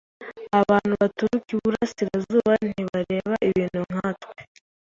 Abantu baturuka iburasirazuba ntibareba ibintu nkatwe.